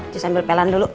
just sambil pelan dulu